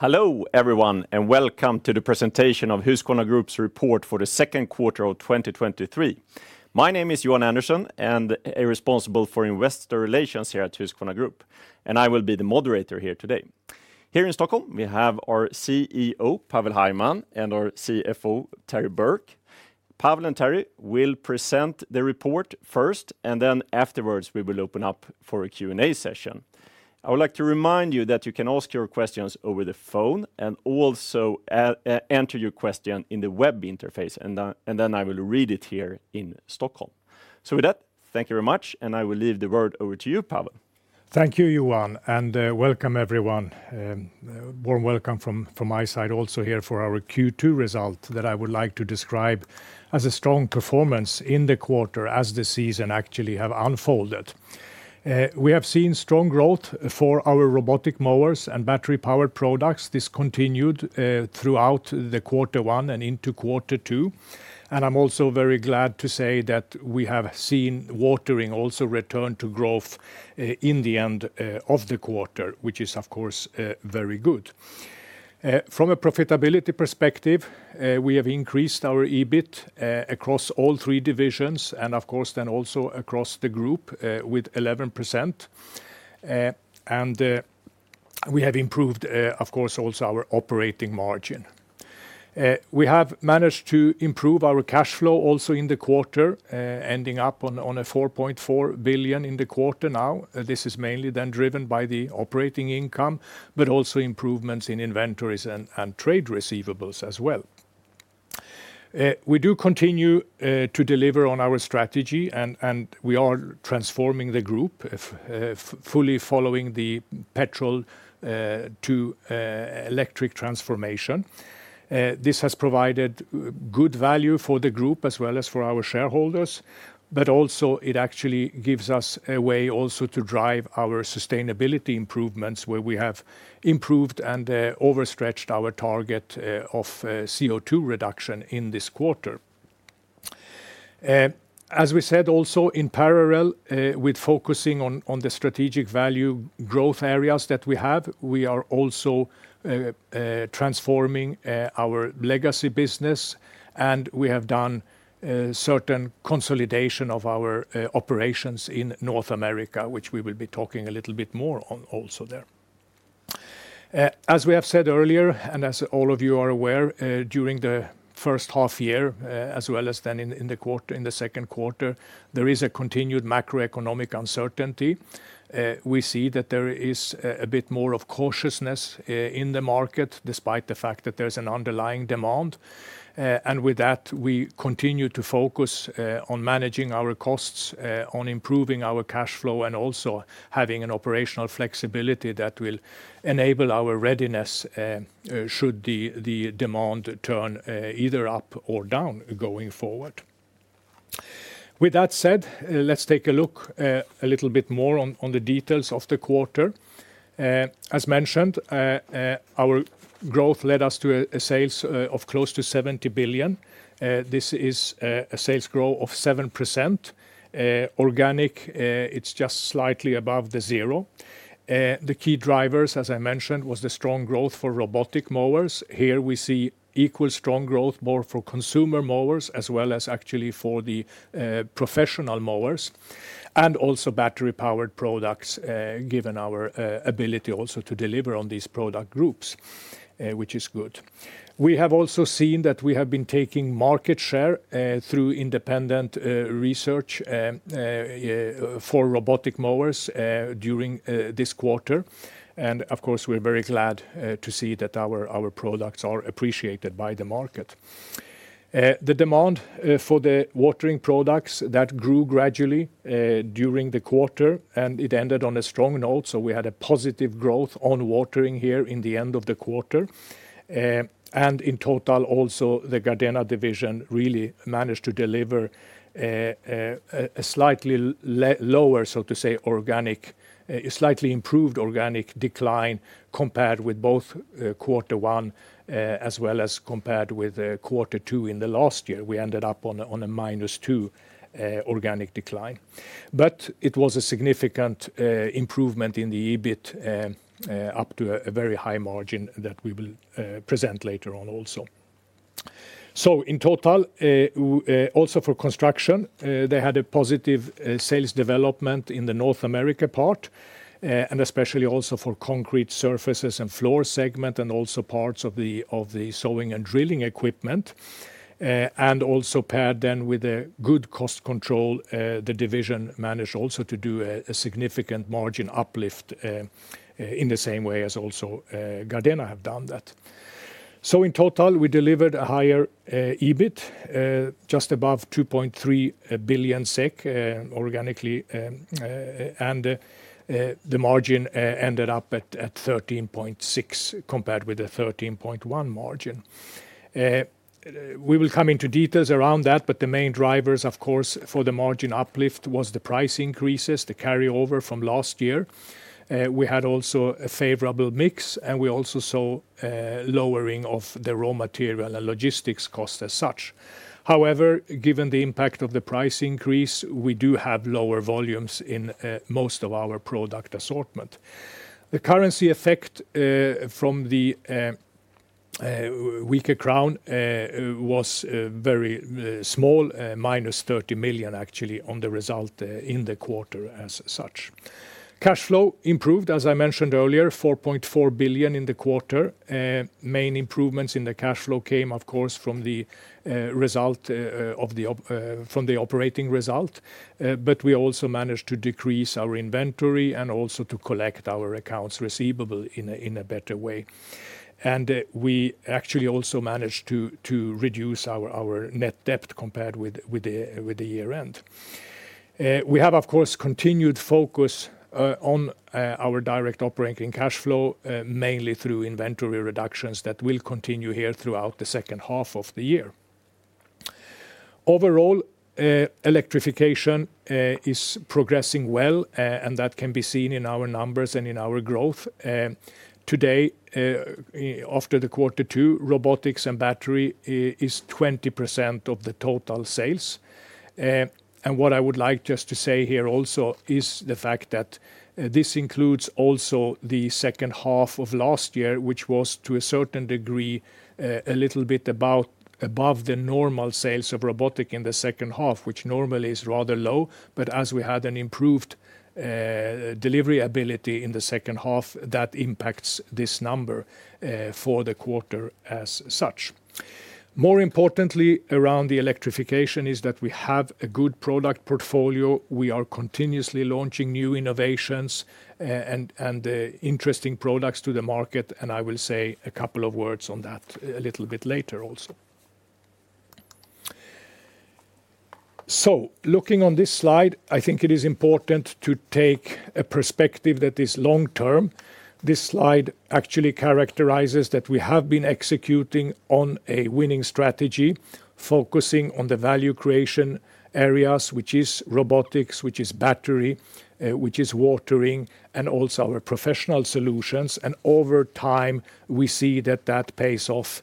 Hello, everyone, welcome to the presentation of Husqvarna Group's report for the second quarter of 2023. My name is Johan Andersson, responsible for Investor Relations here at Husqvarna Group, I will be the moderator here today. Here in Stockholm, we have our CEO, Pavel Hajman, and our CFO, Terry Burke. Pavel and Terry will present the report first, afterwards, we will open up for a Q&A session. I would like to remind you that you can ask your questions over the phone, also enter your question in the web interface, then I will read it here in Stockholm. With that, thank you very much, I will leave the word over to you, Pavel. Thank you, Johan. Welcome everyone. Warm welcome from my side also here for our Q2 result that I would like to describe as a strong performance in the quarter as the season actually have unfolded. We have seen strong growth for our robotic mowers and battery-powered products. This continued throughout the quarter one and into quarter two. I'm also very glad to say that we have seen watering also return to growth in the end of the quarter, which is, of course, very good. From a profitability perspective, we have increased our EBIT across all three divisions, and of course, then also across the group with 11%. We have improved, of course, also our operating margin. We have managed to improve our cash flow also in the quarter, ending up on 4.4 billion in the quarter now. This is mainly driven by the operating income, also improvements in inventories and trade receivables as well. We do continue to deliver on our strategy, and we are transforming the group, fully following the petrol to electric transformation. This has provided good value for the group as well as for our shareholders, also it actually gives us a way also to drive our sustainability improvements, where we have improved and overstretched our target of CO2 reduction in this quarter. As we said, also in parallel, with focusing on the strategic value growth areas that we have, we are also transforming our legacy business, and we have done certain consolidation of our operations in North America, which we will be talking a little bit more on also there. As we have said earlier, and as all of you are aware, during the first half-year, as well as then in the second quarter, there is a continued macroeconomic uncertainty. We see that there is a bit more of cautiousness in the market, despite the fact that there's an underlying demand. With that, we continue to focus on managing our costs, on improving our cash flow, and also having an operational flexibility that will enable our readiness, should the demand turn either up or down going forward. With that said, let's take a look a little bit more on the details of the quarter. As mentioned, our growth led us to a sales of close to 70 billion. This is a sales growth of 7%. Organic, it's just slightly above the zero. The key drivers, as I mentioned, was the strong growth for robotic mowers. Here, we see equal strong growth, more for consumer mowers, as well as actually for the professional mowers, and also battery-powered products, given our ability also to deliver on these product groups, which is good. We have also seen that we have been taking market share, through independent research, for robotic mowers, during this quarter, and of course, we're very glad to see that our products are appreciated by the market. The demand for the watering products, that grew gradually during the quarter, and it ended on a strong note, so we had a positive growth on watering here in the end of the quarter. In total, also, the Gardena division really managed to deliver a slightly lower, so to say, organic... A slightly improved organic decline compared with both quarter one as well as compared with quarter two in the last year. We ended up on a -2 organic decline. It was a significant improvement in the EBIT up to a very high margin that we will present later on also. In total, also for construction, they had a positive sales development in the North America part, and especially also for concrete surfaces and floor segment, and also parts of the sewing and drilling equipment. Also paired then with a good cost control, the division managed also to do a significant margin uplift in the same way as also Gardena have done that. In total, we delivered a higher EBIT, just above 2.3 billion SEK organically, and the margin ended up at 13.6%, compared with the 13.1% margin. We will come into details around that, the main drivers, of course, for the margin uplift was the price increases, the carryover from last year. We had also a favorable mix, and we also saw lowering of the raw material and logistics cost as such. However, given the impact of the price increase, we do have lower volumes in most of our product assortment. The currency effect from the weaker Crown was very small, -30 million actually on the result in the quarter as such. Cash flow improved, as I mentioned earlier, 4.4 billion in the quarter. Main improvements in the cash flow came, of course, from the result from the operating result. We also managed to decrease our inventory and also to collect our accounts receivable in a better way. We actually also managed to reduce our net debt compared with the year-end. We have, of course, continued focus on our direct operating cash flow, mainly through inventory reductions that will continue here throughout the second half of the year. Overall, electrification is progressing well, and that can be seen in our numbers and in our growth. Today, after the quarter two, robotics and battery is 20% of the total sales. What I would like just to say here also is the fact that this includes also the second half of last year, which was, to a certain degree, a little bit about above the normal sales of robotic in the second half, which normally is rather low. As we had an improved delivery ability in the second half, that impacts this number for the quarter as such. More importantly, around the electrification is that we have a good product portfolio. We are continuously launching new innovations, and interesting products to the market, and I will say a couple of words on that a little bit later also. Looking on this slide, I think it is important to take a perspective that is long-term. This slide actually characterizes that we have been executing on a winning strategy, focusing on the value creation areas, which is robotics, which is battery, which is watering, and also our professional solutions. Over time, we see that that pays off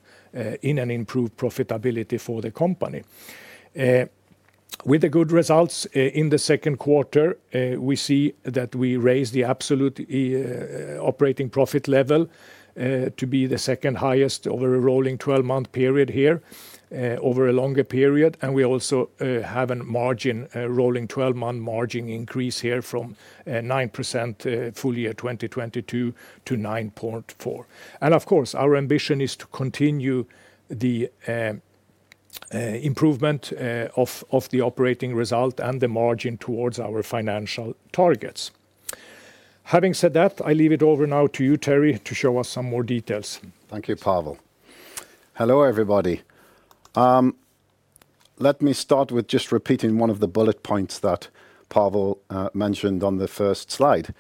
in an improved profitability for the company. With the good results in the second quarter, we see that we raised the absolute operating profit level to be the second highest over a rolling 12-month period here over a longer period. We also have an margin, a rolling 12-month margin increase here from 9% full year 2022 to 9.4%. Of course, our ambition is to continue the improvement of the operating result and the margin towards our financial targets. Having said that, I leave it over now to you, Terry, to show us some more details. Thank you, Pavel. Hello, everybody. Let me start with just repeating one of the bullet points that Pavel mentioned on the first slide.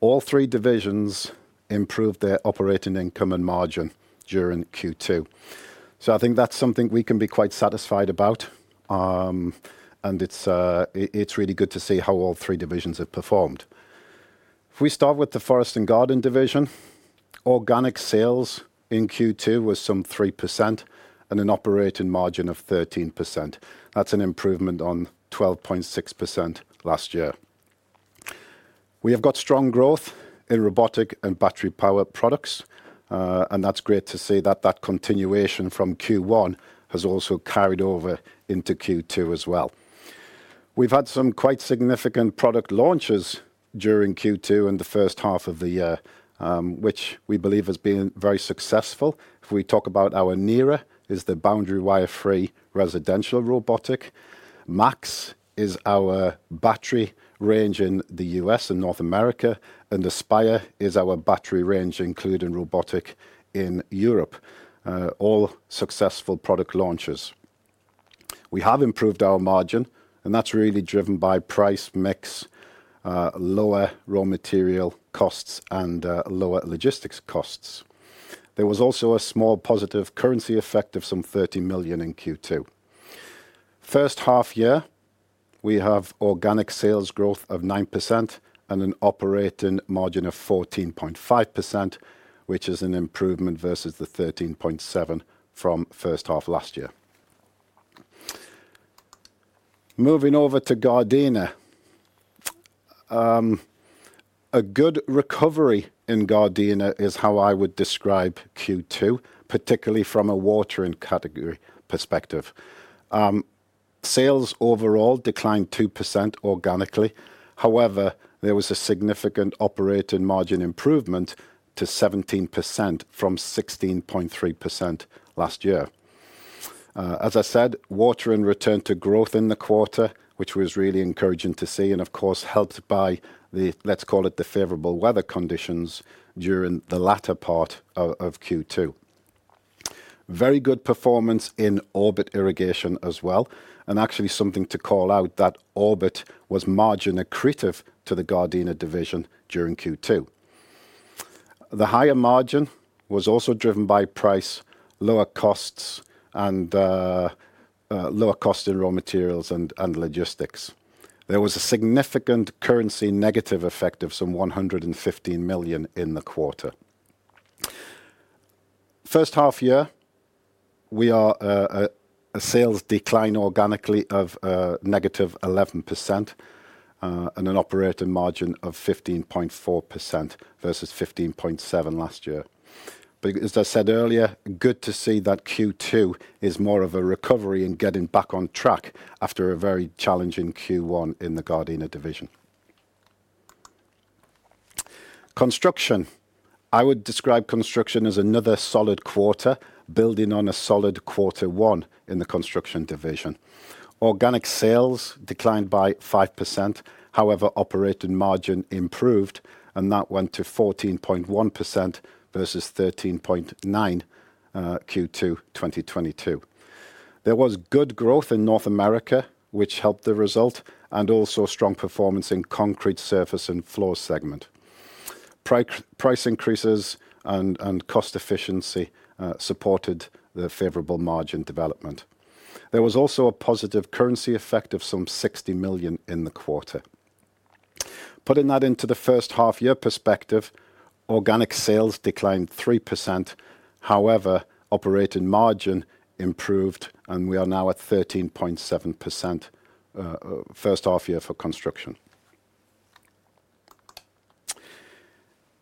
All three divisions improved their operating income and margin during Q2. I think that's something we can be quite satisfied about. It's really good to see how all three divisions have performed. If we start with the Forest & Garden division, organic sales in Q2 was some 3% and an operating margin of 13%. That's an improvement on 12.6% last year. We have got strong growth in robotic and battery-powered products, and that's great to see that that continuation from Q1 has also carried over into Q2 as well. We've had some quite significant product launches during Q2 and the first half of the year, which we believe has been very successful. If we talk about our NERA, is the boundary wire-free residential robotic. Max is our battery range in the U.S. and North America. Aspire is our battery range, including robotic in Europe, all successful product launches. We have improved our margin. That's really driven by price mix, lower raw material costs and lower logistics costs. There was also a small positive currency effect of some 30 million in Q2. First half year, we have organic sales growth of 9% and an operating margin of 14.5%, which is an improvement versus the 13.7% from first half last year. Moving over to Gardena. A good recovery in Gardena is how I would describe Q2, particularly from a watering category perspective. Sales overall declined 2% organically. There was a significant operating margin improvement to 17% from 16.3% last year. As I said, water and return to growth in the quarter, which was really encouraging to see, and of course, helped by the, let's call it, the favorable weather conditions during the latter part of Q2. Very good performance in Orbit irrigation as well, and actually something to call out that Orbit was margin accretive to the Gardena division during Q2. The higher margin was also driven by price, lower costs, and lower cost in raw materials and logistics. There was a significant currency negative effect of some 115 million in the quarter. First half. we are a sales decline organically of -11%, and an operating margin of 15.4% versus 15.7% last year. As I said earlier, good to see that Q2 is more of a recovery and getting back on track after a very challenging Q1 in the Gardena Division. Construction. I would describe Construction as another solid quarter, building on a solid Q1 in the Construction Division. Organic sales declined by 5%. operating margin improved, and that went to 14.1% versus 13.9% Q2 2022. There was good growth in North America, which helped the result, and also strong performance in concrete surface and floor segment. price increases and cost efficiency supported the favorable margin development. There was also a positive currency effect of some 60 million in the quarter. Putting that into the first half year perspective, organic sales declined 3%. However, operating margin improved, and we are now at 13.7%, first half year for construction.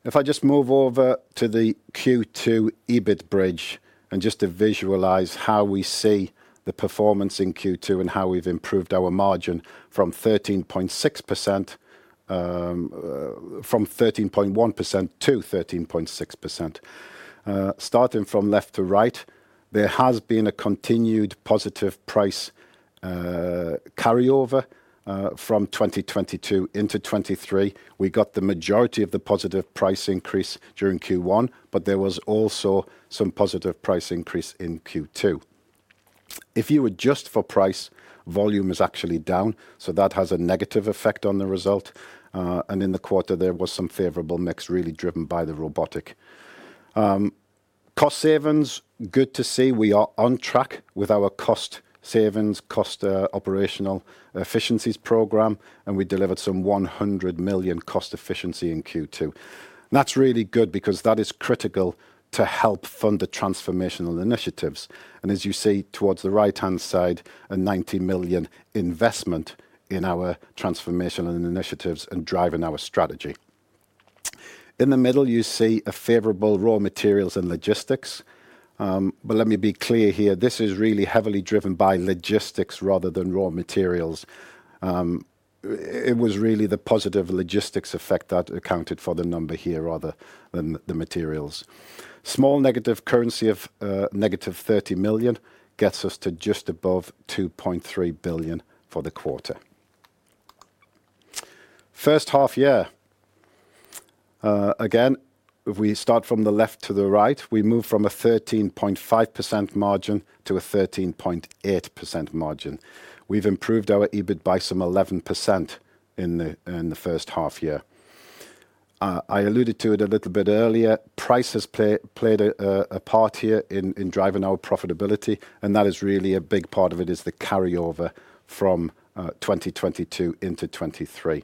If I just move over to the Q2 EBIT bridge, and just to visualize how we see the performance in Q2 and how we've improved our margin from 13.1%-13.6%. Starting from left to right, there has been a continued positive price, carryover, from 2022 into 2023. We got the majority of the positive price increase during Q1, but there was also some positive price increase in Q2. If you adjust for price, volume is actually down, so that has a negative effect on the result. In the quarter, there was some favorable mix, really driven by the robotic. Cost savings, good to see we are on track with our cost savings, operational efficiencies program, and we delivered some 100 million cost efficiency in Q2. That's really good because that is critical to help fund the transformational initiatives. As you see towards the right-hand side, a 90 million investment in our transformational initiatives and driving our strategy. In the middle, you see a favorable raw materials and logistics. Let me be clear here, this is really heavily driven by logistics rather than raw materials. It was really the positive logistics effect that accounted for the number here, rather than the materials. Small negative currency of -30 million gets us to just above 2.3 billion for the quarter. First half year, again, if we start from the left to the right, we move from a 13.5% margin to a 13.8% margin. We've improved our EBIT by some 11% in the first half year. I alluded to it a little bit earlier. Price has played a part here in driving our profitability, and that is really a big part of it is the carryover from 2022 into 2023.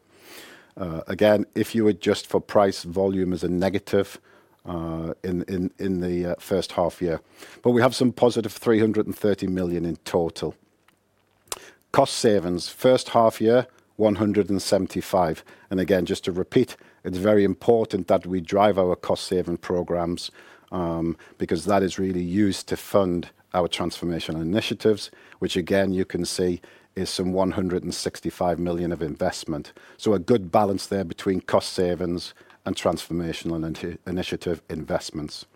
Again, if you adjust for price, volume is a negative in the first half year. We have some +330 million in total. Cost savings, first half year, 175. Again, just to repeat, it's very important that we drive our cost-saving programs, because that is really used to fund our transformational initiatives, which again, you can see is some 165 million of investment. A good balance there between cost savings and transformational initiative investments.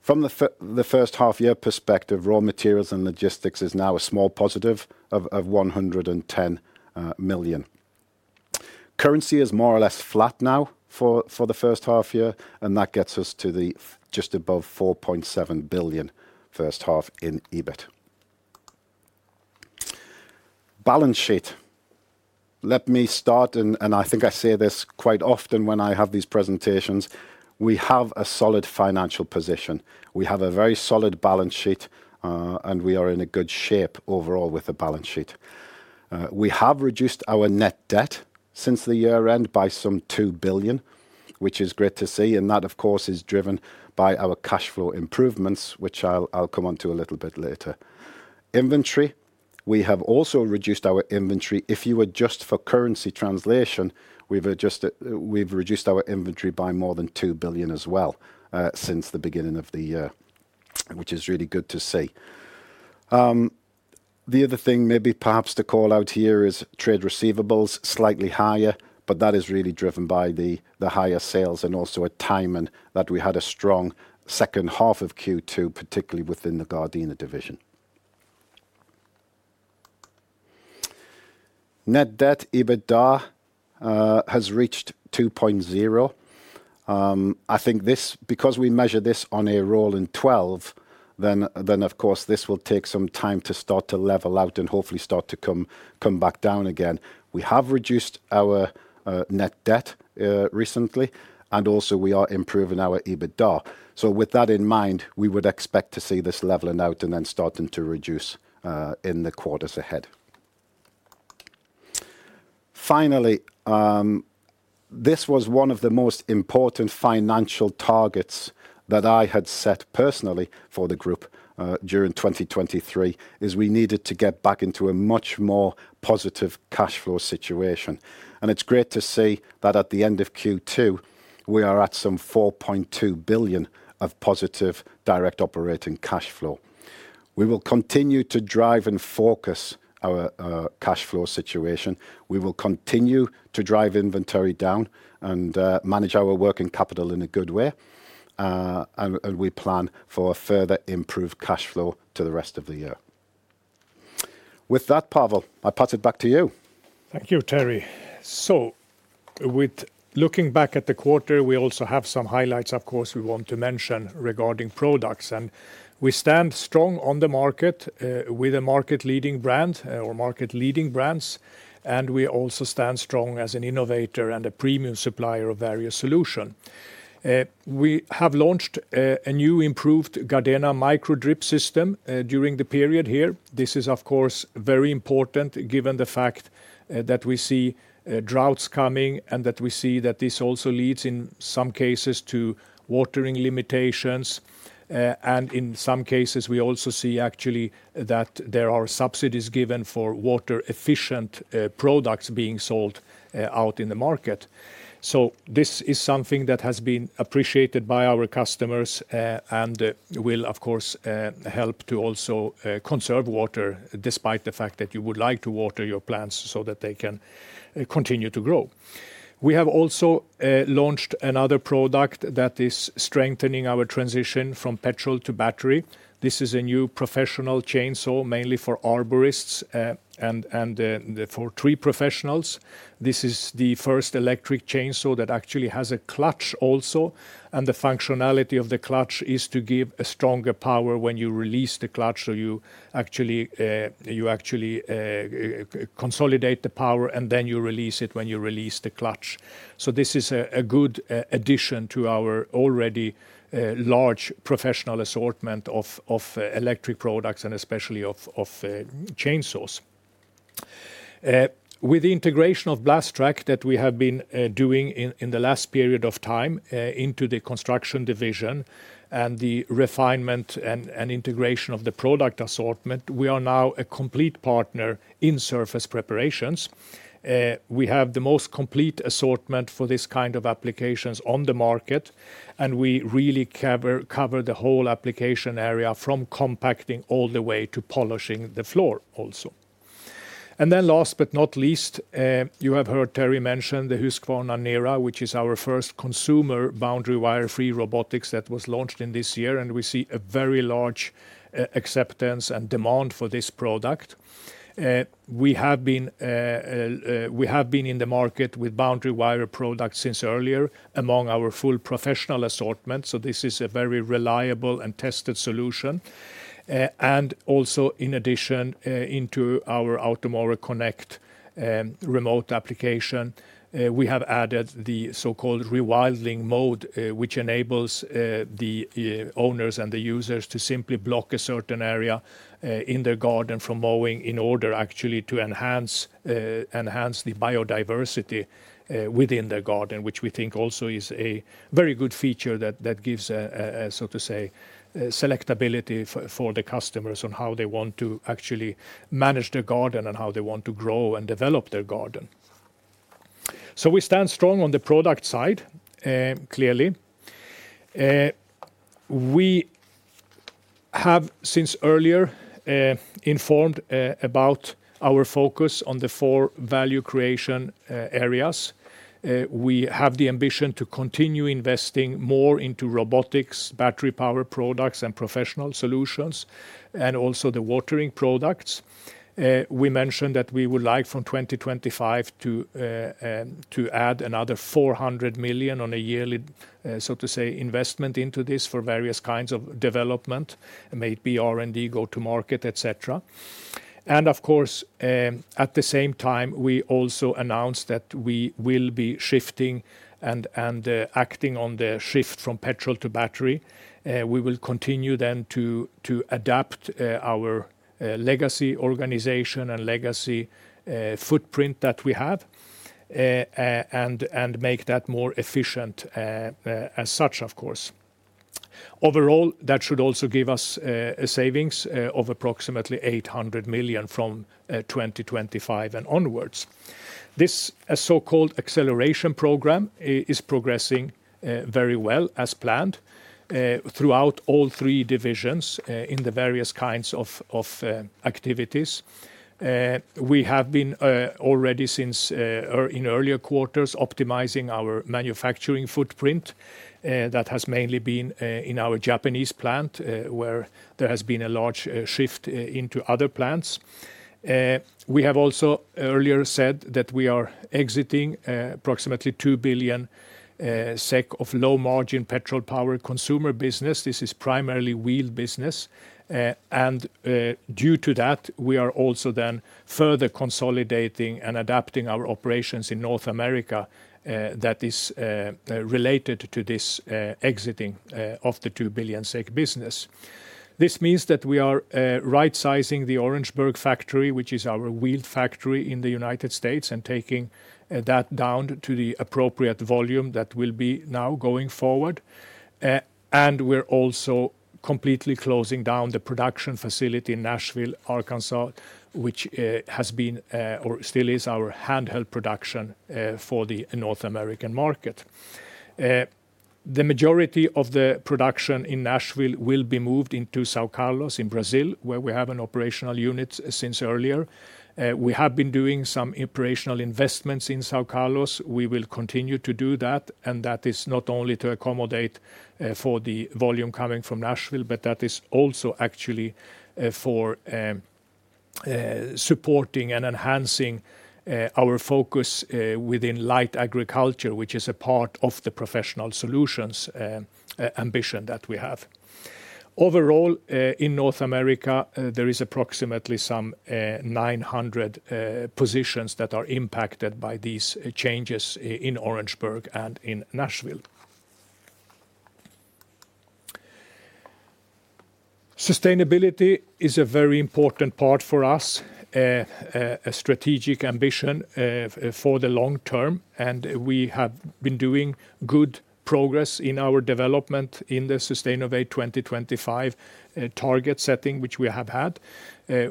From the first half year perspective, raw materials and logistics is now a small of +110 million. Currency is more or less flat now for the first half year, that gets us to just above 4.7 billion first half in EBIT. Balance sheet. Let me start, and I think I say this quite often when I have these presentations: We have a solid financial position. We have a very solid balance sheet, and we are in a good shape overall with the balance sheet. We have reduced our net debt since the year end by some 2 billion, which is great to see, and that, of course, is driven by our cash flow improvements, which I'll come onto a little bit later. Inventory. We have also reduced our inventory. If you adjust for currency translation, we've reduced our inventory by more than 2 billion as well, since the beginning of the year, which is really good to see. The other thing, maybe perhaps to call out here, is trade receivables, slightly higher, but that is really driven by the higher sales and also a timing that we had a strong second half of Q2, particularly within the Gardena division. Net debt, EBITDA, has reached 2.0. I think this, because we measure this on a rolling 12, then of course, this will take some time to start to level out and hopefully start to come back down again. We have reduced our net debt recently, and also we are improving our EBITDA. With that in mind, we would expect to see this leveling out and then starting to reduce in the quarters ahead. Finally, this was one of the most important financial targets that I had set personally for the group during 2023, is we needed to get back into a much more positive cash flow situation. It's great to see that at the end of Q2, we are at some 4.2 billion of positive direct operating cash flow. We will continue to drive and focus our cash flow situation. We will continue to drive inventory down and manage our working capital in a good way. We plan for a further improved cash flow to the rest of the year. With that, Pavel Hajman, I pass it back to you. Thank you, Terry. With looking back at the quarter, we also have some highlights, We have also, launched another product that is strengthening our transition from petrol to battery. This is a new professional chainsaw, mainly for arborists, and for tree professionals. This is the first electric chainsaw that actually has a clutch also, and the functionality of the clutch is to give a stronger power when you release the clutch, so you actually consolidate the power, and then you release it when you release the clutch. This is a good addition to our already large professional assortment of electric products and especially of chainsaws. With the integration of Blastrac that we have been doing in the last period of time, into the construction division and the refinement and integration of the product assortment, we are now a complete partner in surface preparations. We have the most complete assortment for this kind of applications on the market, we really cover the whole application area, from compacting all the way to polishing the floor also. Last but not least, you have heard Terry mention the Husqvarna NERA, which is our first consumer boundary wire-free robotics that was launched in this year, and we see a very large acceptance and demand for this product. We have been in the market with boundary wire products since earlier among our full professional assortment, so this is a very reliable and tested solution. Also in addition, into our Automower Connect remote application, we have added the so-called Rewilding Mode, which enables the owners and the users to simply block a certain area in their garden from mowing in order actually to enhance the biodiversity within their garden, which we think also is a very good feature that gives a so to say selectability for the customers on how they want to actually manage their garden and how they want to grow and develop their garden. We stand strong on the product side, clearly. We have since earlier informed about our focus on the four value creation areas. We have the ambition to continue investing more into robotics, battery power products, and professional solutions, and also the watering products. We mentioned that we would like from 2025 to add another 400 million on a yearly so to say, investment into this for various kinds of development, may it be R&D, go-to-market, et cetera. Of course, at the same time, we also announced that we will be shifting and acting on the shift from petrol to battery. We will continue then to adapt our legacy organization and legacy footprint that we have and make that more efficient as such, of course. Overall, that should also give us a savings of approximately 800 million from 2025 and onwards. This so-called acceleration program is progressing very well as planned throughout all three divisions in the various kinds of activities. We have been already since or in earlier quarters, optimizing our manufacturing footprint. That has mainly been in our Japanese plant where there has been a large shift into other plants. We have also earlier said that we are exiting approximately 2 billion SEK of low-margin petrol power consumer business. This is primarily wheel business. And due to that, we are also then further consolidating and adapting our operations in North America, that is related to this exiting of the 2 billion SEK business. This means that we are right-sizing the Orangeburg factory, which is our wheel factory in the United States, and taking that down to the appropriate volume that will be now going forward. We're also completely closing down the production facility in Nashville, Arkansas, which has been or still is our handheld production for the North American market. The majority of the production in Nashville will be moved into São Carlos in Brazil, where we have an operational unit since earlier. We have been doing some operational investments in São Carlos. We will continue to do that. That is not only to accommodate for the volume coming from Nashville, but that is also actually for supporting and enhancing our focus within light agriculture, which is a part of the professional solutions ambition that we have. Overall, in North America, there is approximately some 900 positions that are impacted by these changes in Orangeburg and in Nashville. Sustainability is a very important part for us, a strategic ambition for the long term. We have been doing good progress in our development in the Sustainovate 2025 target setting, which we have had.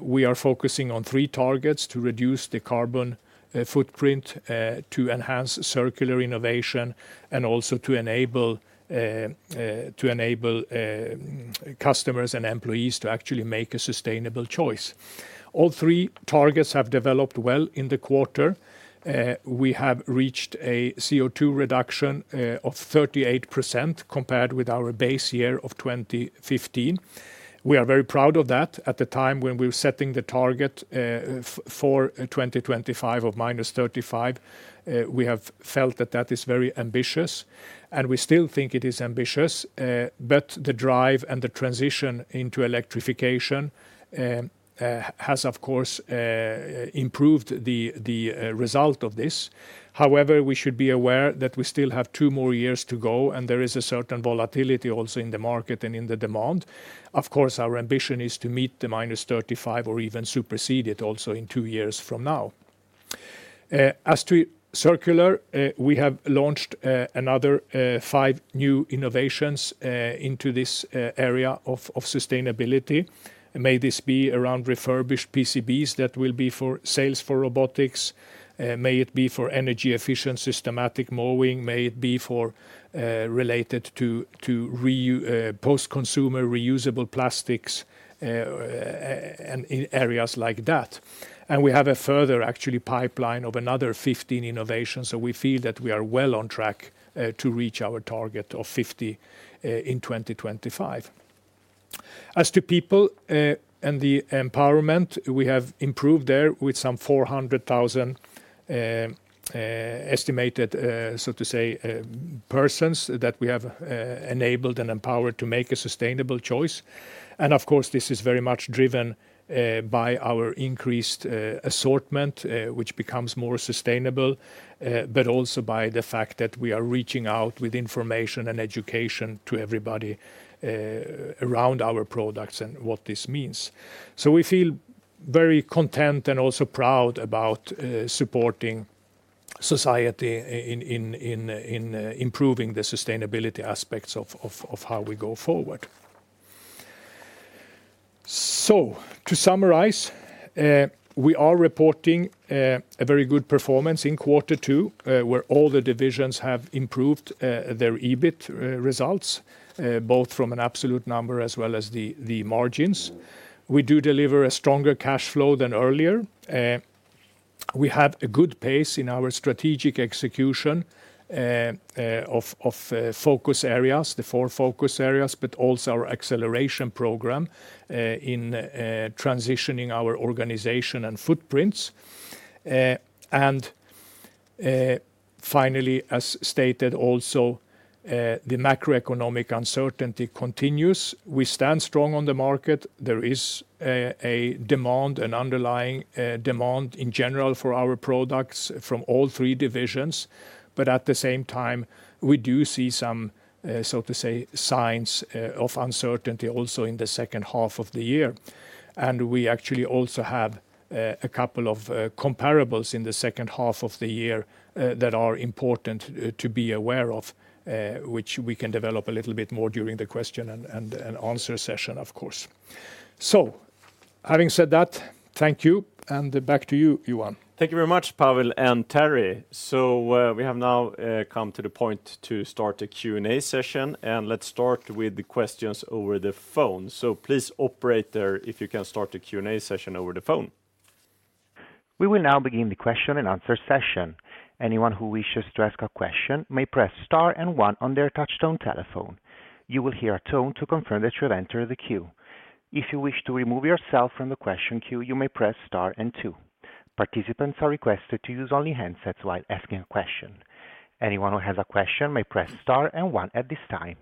We are focusing on three targets: to reduce the carbon footprint, to enhance circular innovation, and also to enable customers and employees to actually make a sustainable choice. All three targets have developed well in the quarter. We have reached a CO2 reduction of 38% compared with our base year of 2015. We are very proud of that. At the time when we were setting the target for 2025 of -35%, we have felt that that is very ambitious, and we still think it is ambitious, but the drive and the transition into electrification has, of course, improved the result of this. We should be aware that we still have two more years to go, and there is a certain volatility also in the market and in the demand. Of course, our ambition is to meet the -35 or even supersede it also in two years from now. As to circular, we have launched another five new innovations into this area of sustainability. May this be around refurbished PCBs that will be for sales for robotics, may it be for energy efficient systematic mowing, may it be for related to post-consumer reusable plastics and in areas like that. We have a further actually pipeline of another 15 innovations, so we feel that we are well on track to reach our target of 50 in 2025. As to people, and the empowerment, we have improved there with some 400,000 estimated, so to say, persons that we have enabled and empowered to make a sustainable choice. Of course, this is very much driven by our increased assortment, which becomes more sustainable, but also by the fact that we are reaching out with information and education to everybody around our products and what this means. We feel very content and also proud about supporting society in improving the sustainability aspects of how we go forward. To summarize, we are reporting a very good performance in quarter two, where all the divisions have improved their EBIT results, both from an absolute number as well as the margins. We do deliver a stronger cash flow than earlier. We have a good pace in our strategic execution of focus areas, the four focus areas, but also our acceleration program in transitioning our organization and footprints. Finally, as stated also, the macroeconomic uncertainty continues. We stand strong on the market. There is a demand, an underlying demand in general for our products from all three divisions, but at the same time, we do see some, so to say, signs of uncertainty also in the second half of the year. We actually also have a couple of comparables in the second half of the year that are important to be aware of, which we can develop a little bit more during the question and answer session, of course. Having said that, thank you, and back to you, Johan. Thank you very much, Pavel and Terry. We have now come to the point to start a Q&A session, and let's start with the questions over the phone. Please, operator, if you can start the Q&A session over the phone. We will now begin the question and answer session. Anyone who wishes to ask a question may press star and one on their touchtone telephone. You will hear a tone to confirm that you have entered the queue. If you wish to remove yourself from the question queue, you may press star and two. Participants are requested to use only handsets while asking a question. Anyone who has a question may press star and one at this time.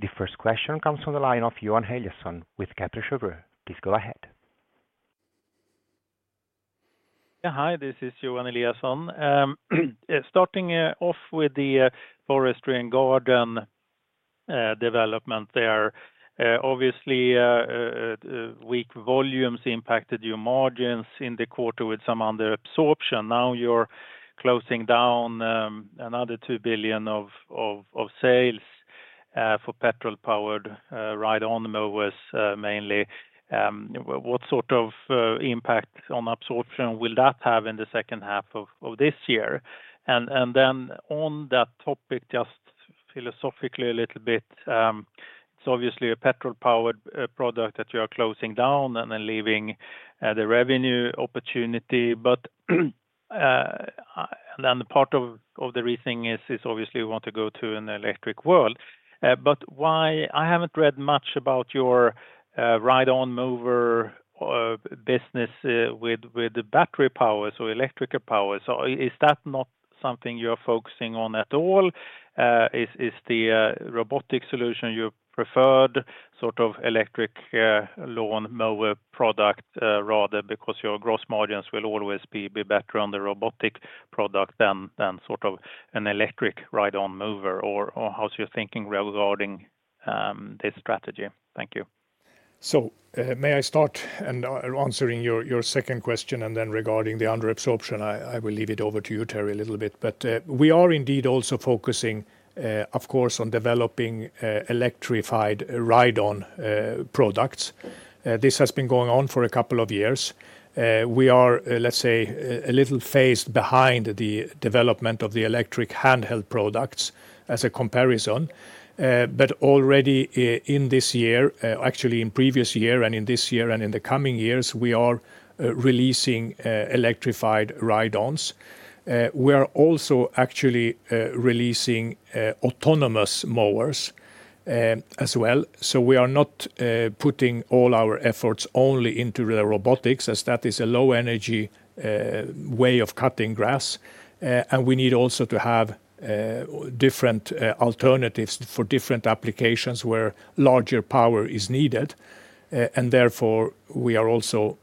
The first question comes from the line of Johan Eliason with Kepler Cheuvreux. Please go ahead. Yeah, hi, this is Johan Eliason. Starting off with the Forest & Garden development there, obviously, weak volumes impacted your margins in the quarter with some under absorption. Now you're closing down another 2 billion of sales for petrol-powered ride-on mowers, mainly. What sort of impact on absorption will that have in the second half of this year? Then on that topic, just philosophically a little bit, obviously a petrol-powered product that you are closing down then leaving the revenue opportunity. Then the part of the rethink is obviously we want to go to an electric world. I haven't read much about your ride-on mower business with the battery power, so electrical power. Is that not something you're focusing on at all? Is the robotic solution you preferred, sort of electric lawn mower product rather? Because your gross margins will always be better on the robotic product than sort of an electric ride-on mower or how's your thinking regarding this strategy? Thank you. May I start in answering your second question, and then regarding the under absorption, I will leave it over to you, Terry, a little bit. We are indeed also focusing, of course, on developing electrified ride-on products. This has been going on for a couple of years. We are, let's say, a little phased behind the development of the electric handheld products as a comparison. Already, in this year, actually, in previous year and in this year and in the coming years, we are releasing electrified ride-ons. We are also actually releasing autonomous mowers as well. We are not putting all our efforts only into the robotics, as that is a low energy way of cutting grass. We need also to have different alternatives for different applications where larger power is needed. Therefore, we are also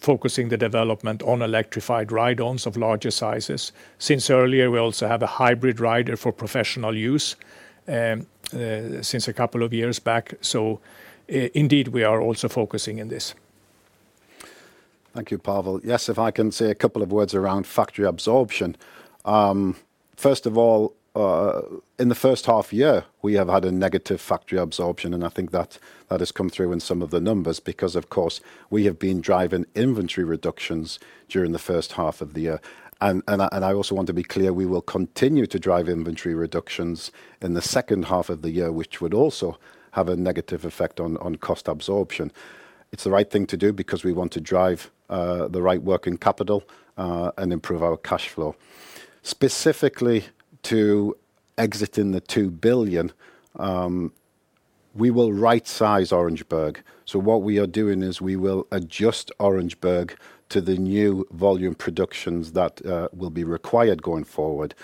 focusing the development on electrified ride-ons of larger sizes. Since earlier, we also have a hybrid rider for professional use since a couple of years back. Indeed, we are also focusing in this. Thank you, Pavel. Yes, if I can say a couple of words around factory absorption. First of all, in the first half year, we have had a negative factory absorption, and I think that has come through in some of the numbers, because, of course, we have been driving inventory reductions during the first half of the year. I also want to be clear, we will continue to drive inventory reductions in the second half of the year, which would also have a negative effect on cost absorption. It's the right thing to do because we want to drive the right working capital and improve our cash flow. Specifically, to exiting the 2 billion, we will rightsize Orangeburg. What we are doing is we will adjust Orangeburg to the new volume productions that will be required going forward.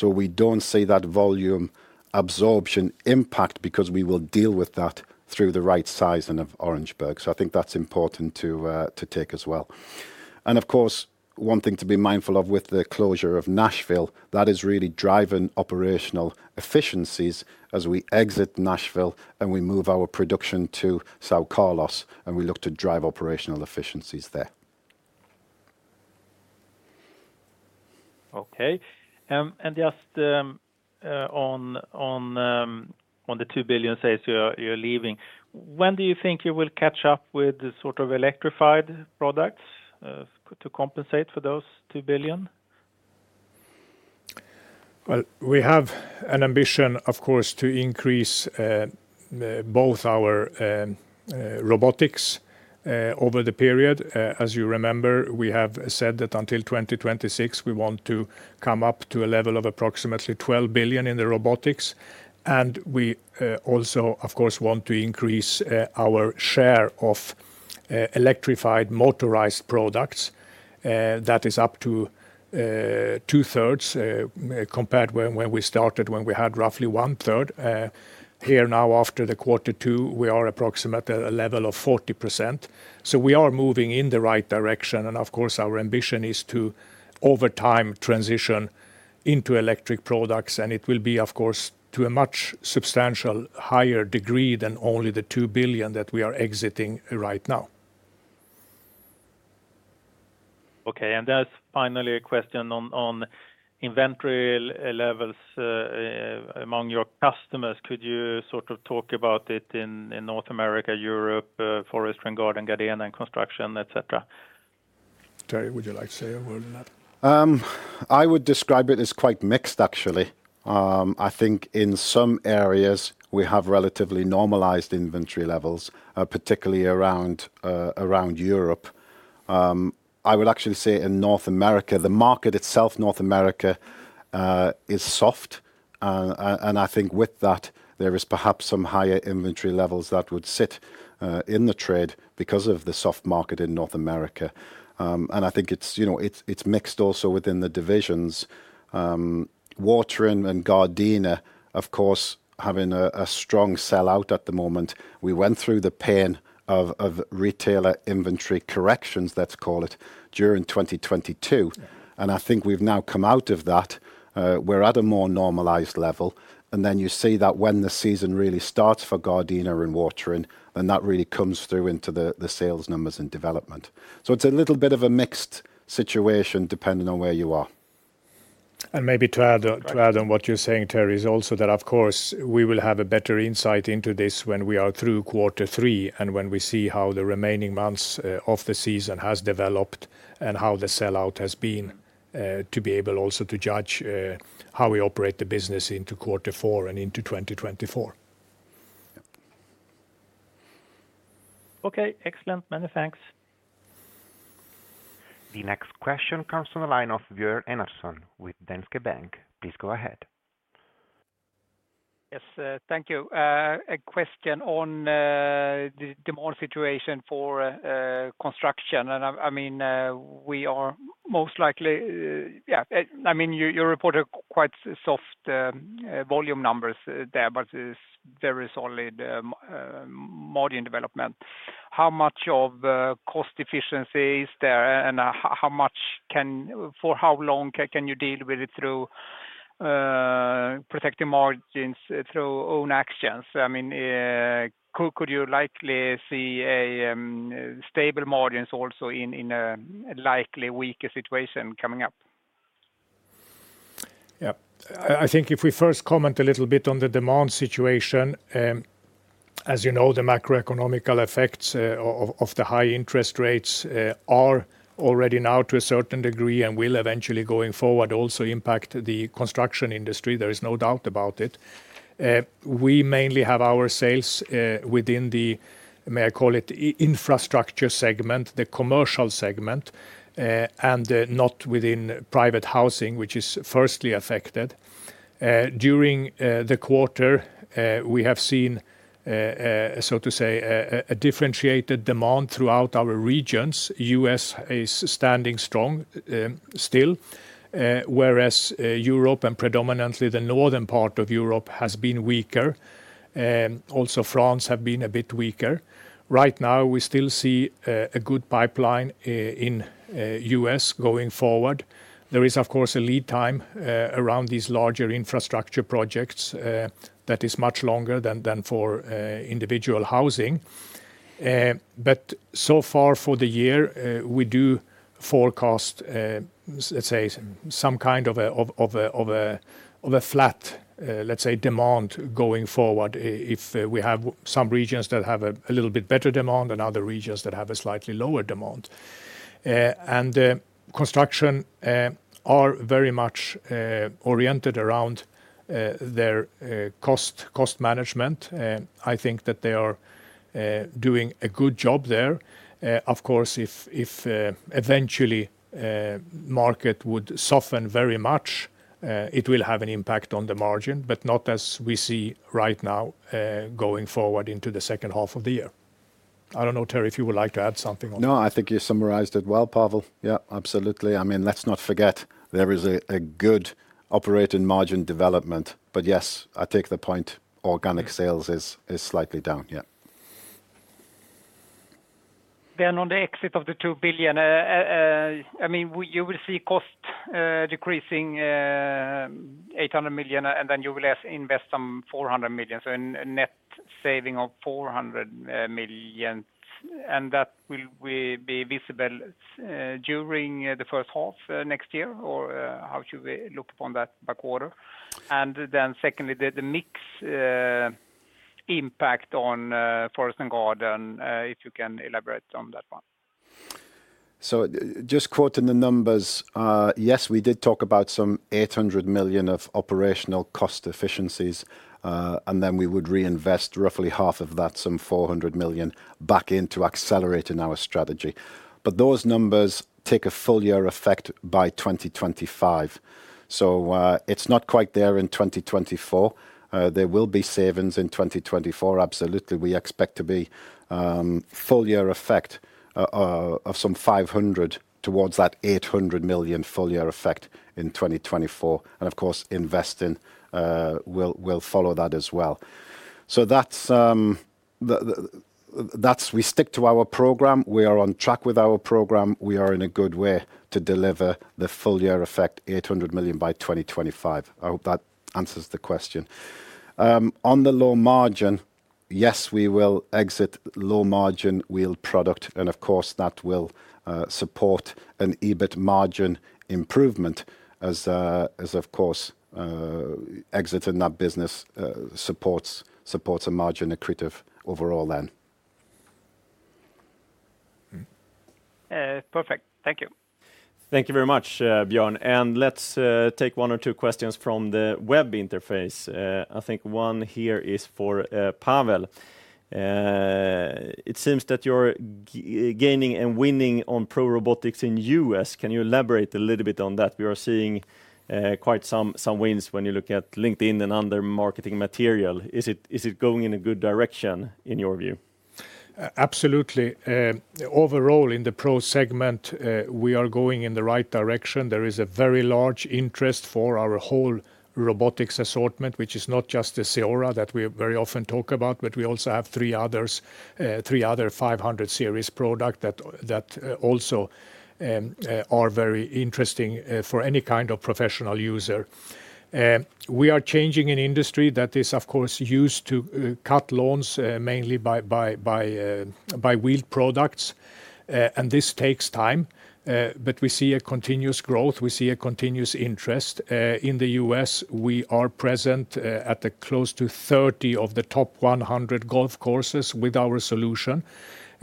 We don't see that volume absorption impact because we will deal with that through the right sizing of Orangeburg. I think that's important to take as well. Of course, one thing to be mindful of with the closure of Nashville, that is really driving operational efficiencies as we exit Nashville, and we move our production to São Carlos, and we look to drive operational efficiencies there. Okay, just, on the 2 billion sales you're leaving, when do you think you will catch up with the sort of electrified products, to compensate for those 2 billion? Well, we have an ambition, of course, to increase both our robotics over the period. As you remember, we have said that until 2026, we want to come up to a level of approximately 12 billion in the robotics. We also, of course, want to increase our share of electrified motorized products. That is up to two-thirds compared when we started, when we had roughly one-third. Here now, after the Q2, we are approximately a level of 40%, so we are moving in the right direction. Of course, our ambition is to, over time, transition into electric products, and it will be, of course, to a much substantial higher degree than only the SEK 2 billion that we are exiting right now. Okay. There's finally a question on inventory levels, among your customers. Could you sort of talk about it in North America, Europe, Forest & Garden, Gardena, and Construction, et cetera? Terry, would you like to say a word on that? I would describe it as quite mixed, actually. I think in some areas we have relatively normalized inventory levels, particularly around Europe. I would actually say in North America, the market itself, North America, is soft. I think with that, there is perhaps some higher inventory levels that would sit in the trade because of the soft market in North America. I think it's, you know, it's mixed also within the divisions. Watering and Gardena, of course, having a strong sell-out at the moment. We went through the pan of retailer inventory corrections, let's call it, during 2022, I think we've now come out of that. We're at a more normalized level. You see that when the season really starts for Gardena and Watering, then that really comes through into the sales numbers and development. It's a little bit of a mixed situation, depending on where you are. ...maybe to add on what you're saying, Terry, is also that, of course, we will have a better insight into this when we are through quarter three, and when we see how the remaining months of the season has developed and how the sellout has been to be able also to judge how we operate the business into quarter four and into 2024. Okay, excellent. Many thanks. The next question comes from the line of Björn Enarson with Danske Bank. Please go ahead. Yes, thank you. A question on the demand situation for construction. I mean, we are most likely. I mean, you reported quite soft volume numbers there, but is there only the margin development. How much of cost efficiency is there, and how much can for how long can you deal with it through protecting margins through own actions? I mean, could you likely see a stable margins also in a likely weaker situation coming up? Yeah. I think if we first comment a little bit on the demand situation, as you know, the macroeconomic effects of the high interest rates are already now to a certain degree, and will eventually going forward also impact the construction industry. There is no doubt about it. We mainly have our sales within the, may I call it, infrastructure segment, the commercial segment, and not within private housing, which is firstly affected. During the quarter, we have seen, so to say, a differentiated demand throughout our regions. U.S. is standing strong still, whereas Europe and predominantly the northern part of Europe has been weaker. Also, France has been a bit weaker. Right now, we still see a good pipeline in U.S. going forward. There is, of course, a lead time around these larger infrastructure projects that is much longer than for individual housing. So far for the year, we do forecast, let's say some kind of a flat, let's say, demand going forward, if we have some regions that have a little bit better demand and other regions that have a slightly lower demand. Construction are very much oriented around their cost management. I think that they are doing a good job there. Of course, if eventually market would soften very much, it will have an impact on the margin, but not as we see right now going forward into the second half of the year. I don't know, Terry, if you would like to add something. No, I think you summarized it well, Pavel. Yeah, absolutely. I mean, let's not forget, there is a good operating margin development, but yes, I take the point. Organic sales is slightly down, yeah. On the exit of the 2 billion, I mean, you will see cost decreasing 800 million, and you will invest some 400 million. A net saving of 400 million, and that will be visible during the first half next year? Or, how should we look upon that by quarter? Secondly, the mix impact on Forest & Garden, if you can elaborate on that one. Just quoting the numbers, yes, we did talk about some 800 million of operational cost efficiencies, and then we would reinvest roughly half of that, some 400 million, back into accelerating our strategy. Those numbers take a full year effect by 2025. It's not quite there in 2024. There will be savings in 2024, absolutely. We expect to be full year effect of some SEK 500 million towards that SEK 800 million full year effect in 2024. Of course, investing will follow that as well. That's we stick to our program. We are on track with our program. We are in a good way to deliver the full year effect, SEK 800 million by 2025. I hope that answers the question. On the low margin, yes, we will exit low-margin wheel product, and of course, that will support an EBIT margin improvement as, of course, exiting that business, supports a margin accretive overall then. Perfect. Thank you. Thank you very much, Björn Enarson. Let's take one or two questions from the web interface. I think one here is for Pavel Hajman. It seems that you're gaining and winning on pro robotics in US. Can you elaborate a little bit on that? We are seeing quite some wins when you look at LinkedIn and other marketing material. Is it going in a good direction, in your view? all, in the pro segment, we are going in the right direction. There is a very large interest for our whole robotics assortment, which is not just the CEORA that we very often talk about, but we also have three others, three other 500 Series products that also are very interesting for any kind of professional user. We are changing an industry that is, of course, used to cut lawns, mainly by wheel products. This takes time, but we see a continuous growth, we see a continuous interest. In the U.S., we are present at the close to 30 of the top 100 golf courses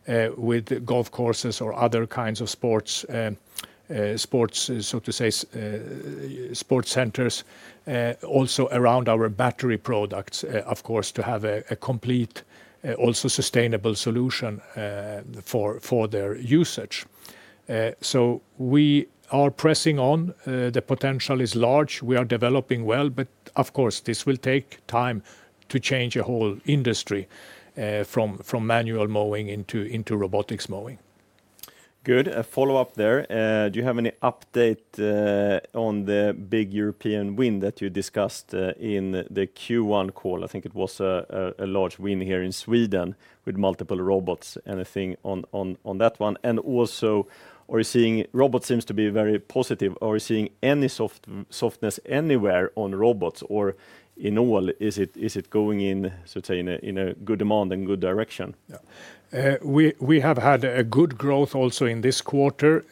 with our solution, which I think shows the interest, I mean, from the market, but also shows our dedication towards this. Of course, the good thing is also that when they are being working on a golf course and displayed, also the people who are playing golf find an interest in that and potentially will buy that to their homes. We see a double effect there, and also this gives us an opportunity also to have a discussion with golf courses or other kinds of sports, so to say, sports centers, also around our battery products, of course, to have a complete, also sustainable solution for their usage. We are pressing on. The potential is large. We are developing well, but of course, this will take time to change a whole industry, from manual mowing into robotics mowing. Good. A follow-up there. Do you have any update on the big European win that you discussed in the Q1 call? I think it was a large win here in Sweden with multiple robots. Anything on that one? Also, robot seems to be very positive. Are you seeing any softness anywhere on robots or in all, is it going in, so to say, in a good demand and good direction? Yeah. We have had a good growth also in this quarter,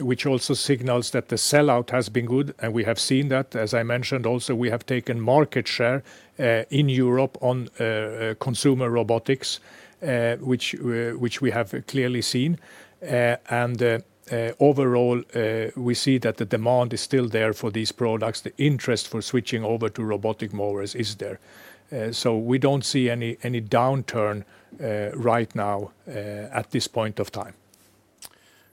which also signals that the sell-out has been good, and we have seen that. As I mentioned also, we have taken market share in Europe on consumer robotics, which we have clearly seen. Overall, we see that the demand is still there for these products. The interest for switching over to robotic mowers is there. We don't see any downturn right now at this point of time.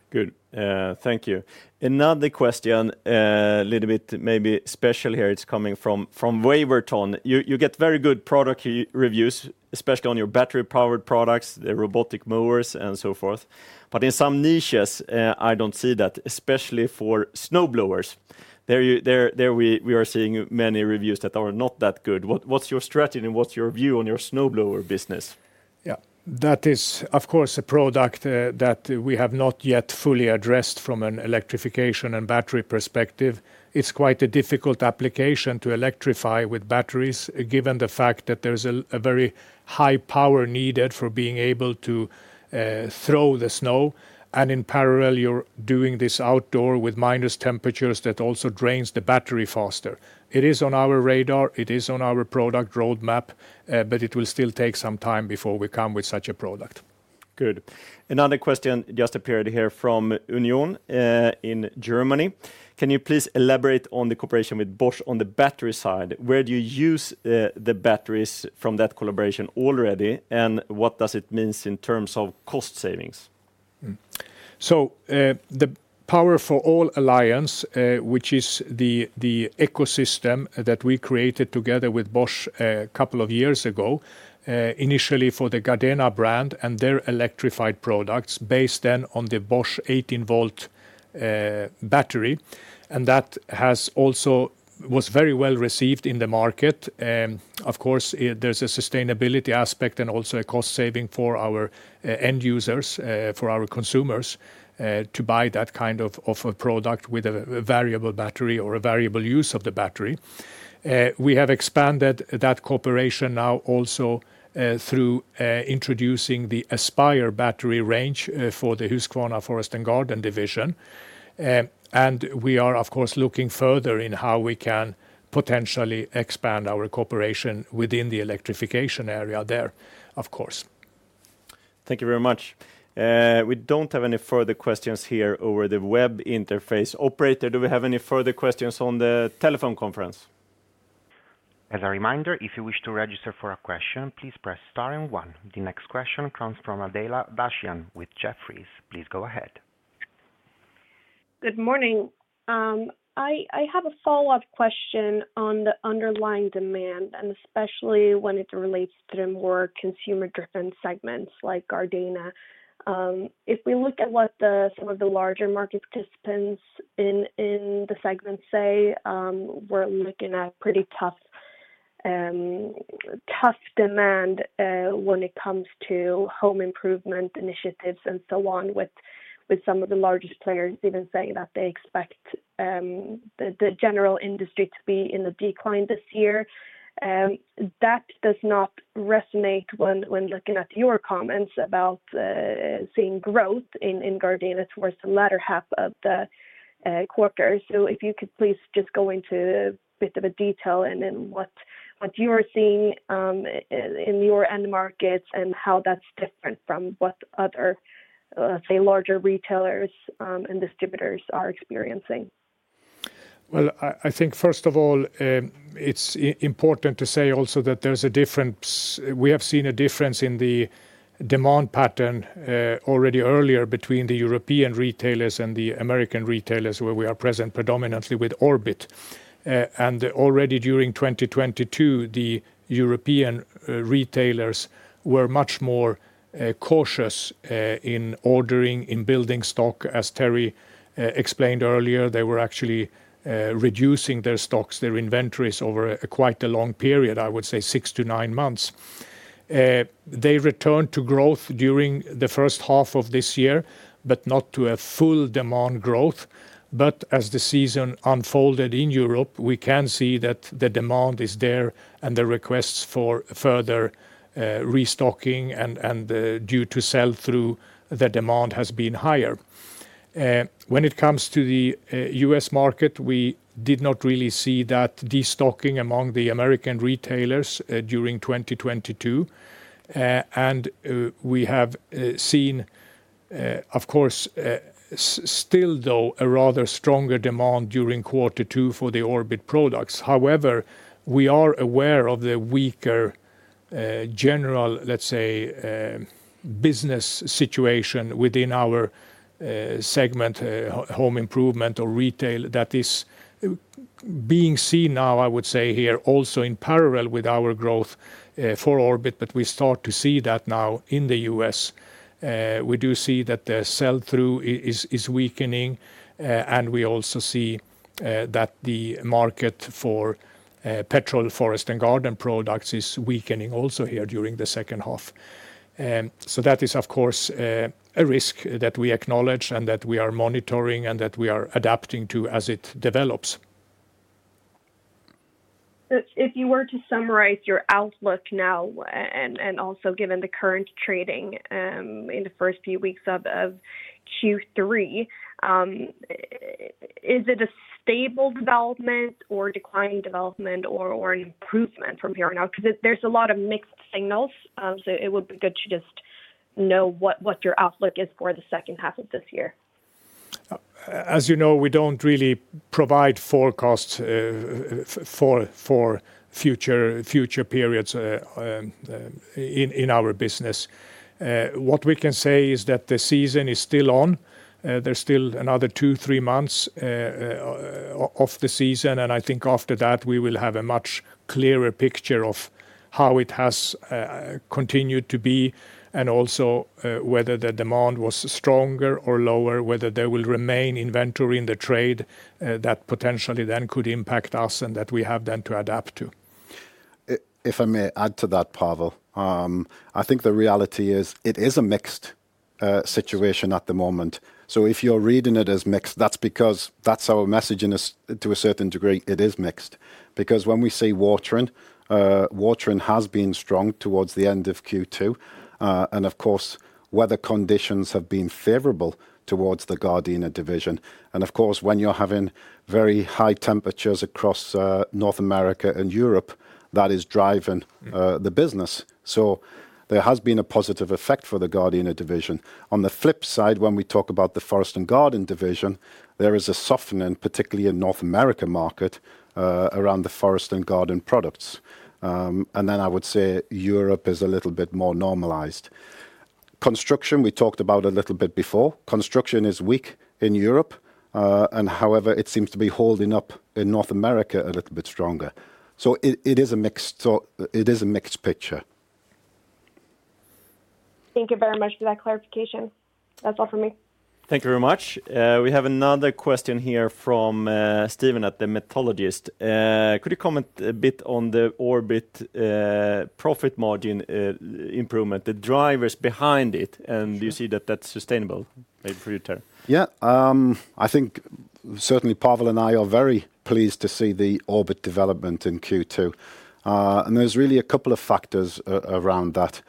Good. Thank you. Another question, little bit maybe special here. It's coming from Waverton. You get very good product reviews, especially on your battery-powered products, the robotic mowers, and so forth. In some niches, I don't see that, especially for snowblowers. There we are seeing many reviews that are not that good. What's your strategy and what's your view on your snowblower business? That is, of course, a product, that we have not yet fully addressed from an electrification and battery perspective. It's quite a difficult application to electrify with batteries, given the fact that there's a very high power needed for being able to throw the snow, and in parallel, you're doing this outdoor with minus temperatures that also drains the battery faster. It is on our radar, it is on our product roadmap, but it will still take some time before we come with such a product. Good. Another question just appeared here from Union in Germany. Can you please elaborate on the cooperation with Bosch on the battery side? Where do you use the batteries from that collaboration already, and what does it means in terms of cost savings? The Power for All Alliance, which is the ecosystem that we created together with Bosch a couple of years ago, initially for the Gardena brand and their electrified products, based then on the Bosch 18-volt battery, was very well received in the market. Of course, there's a sustainability aspect and also a cost saving for our end users, for our consumers, to buy that kind of a product with a variable battery or a variable use of the battery. We have expanded that cooperation now also through introducing the Aspire battery range for the Husqvarna Forest & Garden division. We are, of course, looking further in how we can potentially expand our cooperation within the electrification area there, of course. Thank you very much. We don't have any further questions here over the web interface. Operator, do we have any further questions on the telephone conference? As a reminder, if you wish to register for a question, please press star and one. The next question comes from Adela Dashian with Jefferies. Please go ahead. Good morning. I have a follow-up question on the underlying demand, and especially when it relates to the more consumer-driven segments like Gardena. If we look at what some of the larger market participants in the segment say, we're looking at pretty tough demand when it comes to home improvement initiatives and so on, with some of the largest players even saying that they expect the general industry to be in a decline this year. That does not resonate when looking at your comments about seeing growth in Gardena towards the latter half of the quarter. If you could please just go into a bit of a detail, and then what you are seeing, in your end markets, and how that's different from what other, say, larger retailers, and distributors are experiencing. I think first of all, it's important to say also that we have seen a difference in the demand pattern already earlier between the European retailers and the American retailers, where we are present predominantly with Orbit. Already during 2022, the European retailers were much more cautious in ordering, in building stock. As Terry explained earlier, they were actually reducing their stocks, their inventories, over a quite a long period, I would say six-nine months. They returned to growth during the first half of this year, but not to a full demand growth. As the season unfolded in Europe, we can see that the demand is there, and the requests for further restocking and due to sell-through, the demand has been higher. When it comes to the U.S. market, we did not really see that de-stocking among the American retailers during 2022. We have seen, of course, still, though, a rather stronger demand during Q2 for the Orbit products. However, we are aware of the weaker general, let's say, business situation within our segment, home improvement or retail, that is being seen now, I would say, here, also in parallel with our growth for Orbit. We start to see that now in the U.S. We do see that the sell-through is weakening. We also see that the market for petrol, Forest & Garden products is weakening also here during the second half. That is, of course, a risk that we acknowledge and that we are monitoring and that we are adapting to as it develops. If you were to summarize your outlook now, and also given the current trading, in the first few weeks of Q3, is it a stable development or declining development or an improvement from here on out? 'Cause there's a lot of mixed signals, so it would be good to just know what your outlook is for the second half of this year. As you know, we don't really provide forecasts for future periods in our business. What we can say is that the season is still on. There's still another two-three months of the season. I think after that, we will have a much clearer picture of how it has continued to be, also, whether the demand was stronger or lower, whether there will remain inventory in the trade that potentially then could impact us and that we have then to adapt to. If I may add to that, Pavel, I think the reality is, it is a mixed situation at the moment. If you're reading it as mixed, that's because that's our message, and to a certain degree, it is mixed. When we say watering has been strong towards the end of Q2, and of course, weather conditions have been favorable towards the Gardena division. Of course, when you're having very high temperatures across North America and Europe, that is driving the business. There has been a positive effect for the Gardena division. On the flip side, when we talk about the Forest & Garden division, there is a softening, particularly in North American market, around the Forest & Garden products. Then I would say Europe is a little bit more normalized. Construction, we talked about a little bit before. Construction is weak in Europe, however, it seems to be holding up in North America a little bit stronger. It is a mixed picture. Thank you very much for that clarification. That's all for me. Thank you very much. We have another question here from Steven at The Metallurgist. Could you comment a bit on the Orbit profit margin improvement, the drivers behind it, and do you see that that's sustainable? Maybe for you, Terry. Yeah, I think certainly Pavel and I are very pleased to see the Orbit development in Q2. There's really a couple of factors around that.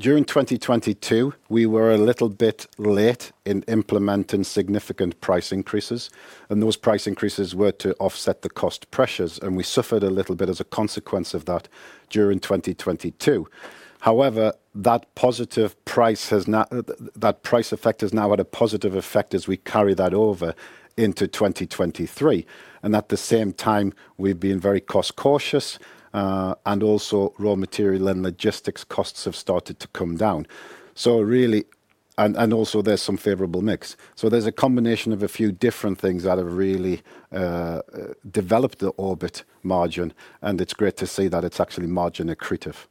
During 2022, we were a little bit late in implementing significant price increases, and those price increases were to offset the cost pressures, and we suffered a little bit as a consequence of that during 2022. However, that price effect is now at a positive effect as we carry that over into 2023, and at the same time, we've been very cost cautious, and also raw material and logistics costs have started to come down. Also there's some favorable mix. There's a combination of a few different things that have really developed the Orbit margin, and it's great to see that it's actually margin accretive.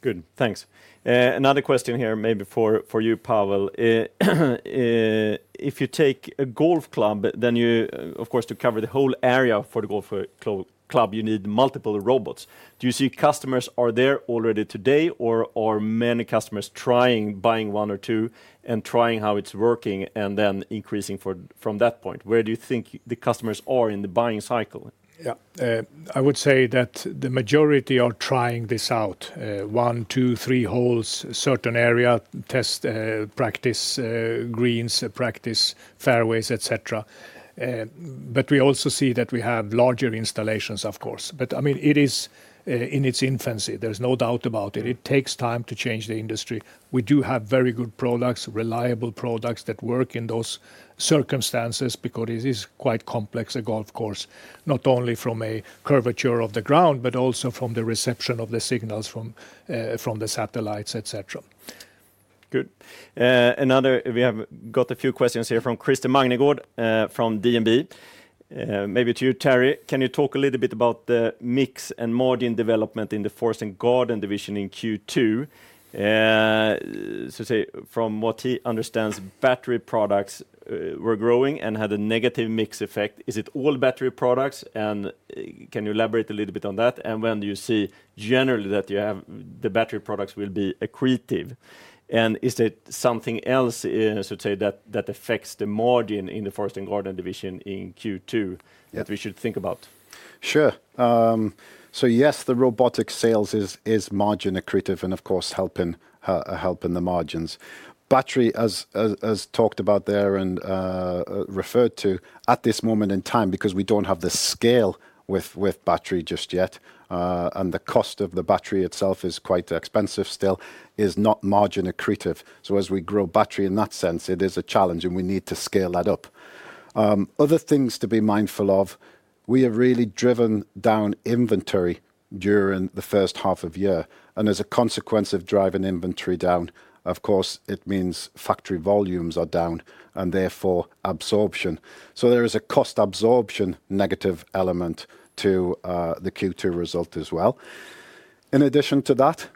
Good, thanks. Another question here, maybe for you, Pavel. If you take a golf club, then you, of course, to cover the whole area for the golf club, you need multiple robots. Do you see customers are there already today, or are many customers trying buying one or two and trying how it's working and then increasing from that point? Where do you think the customers are in the buying cycle? I would say that the majority are trying this out, one, two, three holes, certain area, test, practice, greens, practice fairways, et cetera. We also see that we have larger installations, of course. I mean, it is in its infancy, there's no doubt about it. It takes time to change the industry. We do have very good products, reliable products that work in those circumstances because it is quite complex, a golf course, not only from a curvature of the ground, but also from the reception of the signals from the satellites, et cetera. Good. Another, we have got a few questions here from Christer Magnergård from DNB Markets. Maybe to you, Terry. Can you talk a little bit about the mix and margin development in the Forest & Garden division in Q2? From what he understands, battery products were growing and had a negative mix effect. Is it all battery products, and can you elaborate a little bit on that? When do you see generally that you have the battery products will be accretive, and is there something else that affects the margin in the Forest & Garden division in Q2? Yeah that we should think about? Sure. Yes, the robotic sales is margin accretive, and of course, helping the margins. Battery as talked about there and referred to, at this moment in time, because we don't have the scale with battery just yet, and the cost of the battery itself is quite expensive still, is not margin accretive. As we grow battery in that sense, it is a challenge, and we need to scale that up. Other things to be mindful of, we have really driven down inventory during the first half of year, and as a consequence of driving inventory down, of course, it means factory volumes are down and therefore absorption. There is a cost absorption negative element to the Q2 result as well. In addition to that,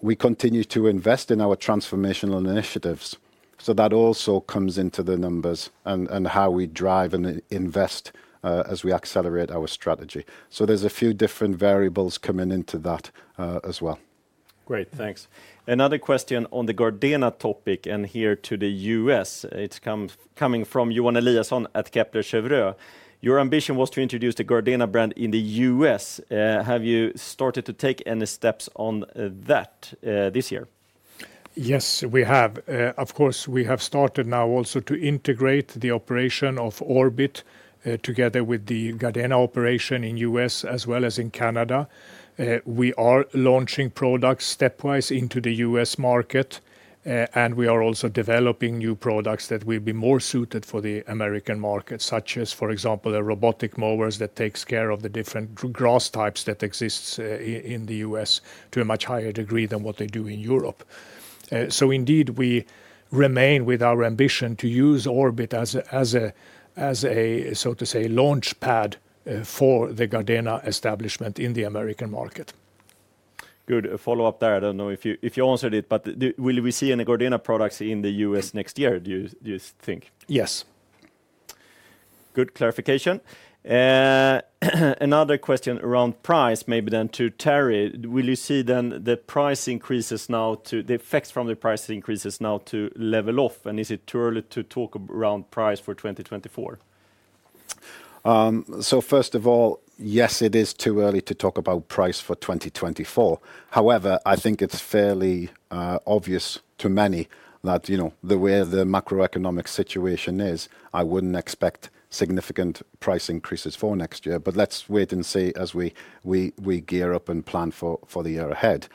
we continue to invest in our transformational initiatives, so that also comes into the numbers and how we drive and invest, as we accelerate our strategy. There's a few different variables coming into that, as well. Great, thanks. Another question on the Gardena topic, here to the U.S. It's coming from Johan Eliason at Kepler Cheuvreux. Your ambition was to introduce the Gardena brand in the U.S. Have you started to take any steps on that this year? Yes, we have. Of course, we have started now also to integrate the operation of Orbit, together with the Gardena operation in U.S. as well as in Canada. We are launching products stepwise into the U.S. market, and we are also developing new products that will be more suited for the American market, such as, for example, the robotic mowers that takes care of the different grass types that exists in the U.S. to a much higher degree than what they do in Europe. Indeed, we remain with our ambition to use Orbit as a, so to say, launchpad, for the Gardena establishment in the American market. Good. A follow-up there, I don't know if you answered it, but will we see any Gardena products in the US next year, do you think? Yes. Good clarification. Another question around price, maybe then to Terry. Will you see then the price increases now the effects from the price increases now to level off, and is it too early to talk around price for 2024? First of all, yes, it is too early to talk about price for 2024. However, I think it's fairly obvious to many that, you know, the way the macroeconomic situation is, I wouldn't expect significant price increases for next year. Let's wait and see as we gear up and plan for the year ahead.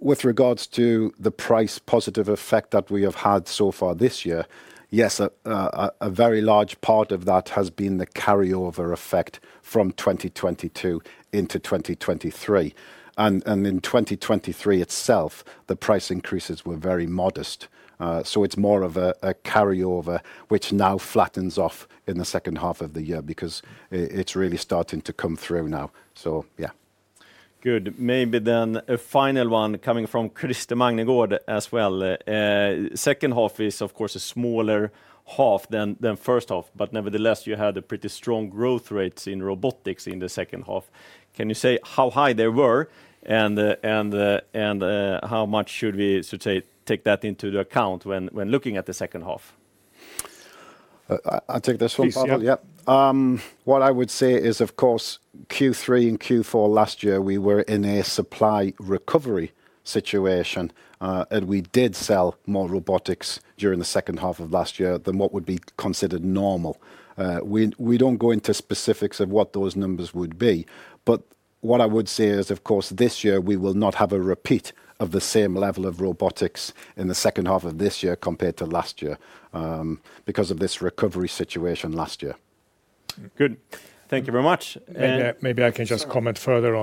With regards to the price positive effect that we have had so far this year, yes, a very large part of that has been the carryover effect from 2022 into 2023, and in 2023 itself, the price increases were very modest. It's more of a carryover, which now flattens off in the second half of the year because it's really starting to come through now, so yeah. Good. Maybe a final one coming from Christer Magnergård as well. Second half is, of course, a smaller half than first half, but nevertheless, you had a pretty strong growth rate in robotics in the second half. Can you say how high they were, and how much should we, so to say, take that into account when looking at the second half? I take this one, Pavel? Please, yeah. Yep. What I would say is, of course, Q3 and Q4 last year, we were in a supply recovery situation, we did sell more robotics during the second half of last year than what would be considered normal. We don't go into specifics of what those numbers would be, but what I would say is, of course, this year we will not have a repeat of the same level of robotics in the second half of this year compared to last year, because of this recovery situation last year. Good. Thank you very much. Maybe I can just comment further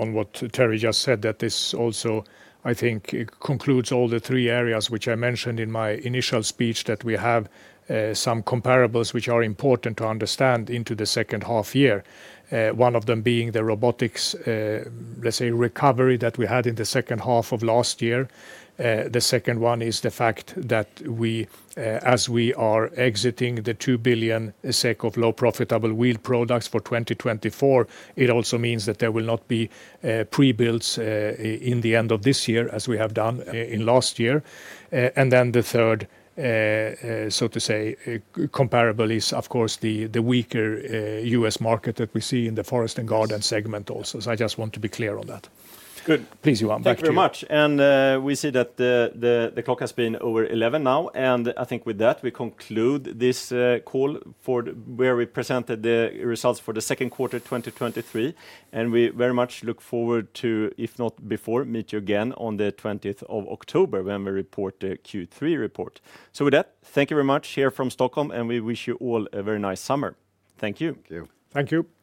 on what Terry just said, that this also, I think, it concludes all the three areas which I mentioned in my initial speech, that we have some comparables which are important to understand into the second half year. One of them being the robotics, let's say, recovery that we had in the second half of last year. The second one is the fact that we, as we are exiting the 2 billion SEK of low profitable wheel products for 2024, it also means that there will not be prebuilds in the end of this year, as we have done in last year. The third, so to say, comparable is, of course, the weaker, US market that we see in the Forest & Garden segment also. I just want to be clear on that. Good. Please, Johan, back to you. Thank you very much. We see that the clock has been over 11 now. I think with that, we conclude this call where we presented the results for the second quarter of 2023. We very much look forward to, if not before, meet you again on the 20th of October when we report the Q3 report. With that, thank you very much here from Stockholm. We wish you all a very nice summer. Thank you. Thank you. Thank you.